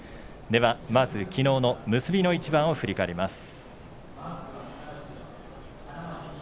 まずは、きのうの結びの一番を振り返ります。